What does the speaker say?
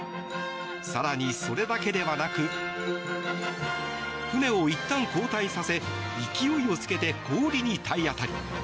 更にそれだけではなく船をいったん後退させ勢いをつけ氷に体当たり。